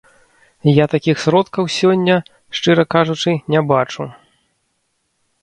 Я такіх сродкаў сёння, шчыра кажучы, не бачу.